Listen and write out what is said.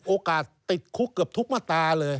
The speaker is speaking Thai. โอกาสติดคุกเกือบทุกม่าตาเลย